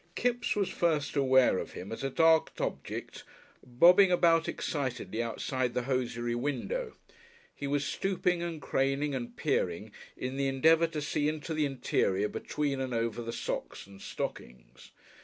Kipps was first aware of him as a dark object bobbing about excitedly outside the hosiery window. He was stooping and craning and peering in the endeavour to see into the interior between and over the socks and stockings.